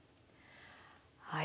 はい。